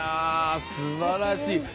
すばらしい。